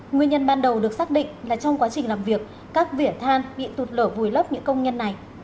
nguyên nhân ban đầu được xác định là trong quá trình làm việc các vỉa than bị tụt lở vùi lấp những công nhân này